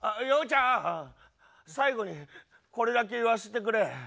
洋ちゃん最後にこれだけ言わしてくれ。